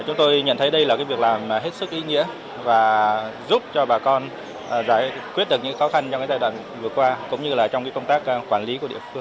chúng tôi nhận thấy đây là cái việc làm hết sức ý nghĩa và giúp cho bà con giải quyết được những khó khăn trong cái giai đoạn vừa qua cũng như là trong cái công tác quản lý